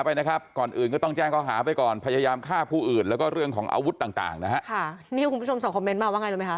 นี่คุณผู้ชมส่งคอมเมนต์มาว่าไงรู้ไหมค